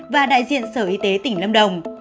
và đại diện sở y tế tỉnh lâm đồng